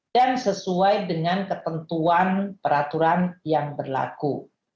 dan sesuai dengan ketentuan peraturan yang berlaku